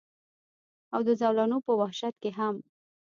او د زولنو پۀ وحشت کښې هم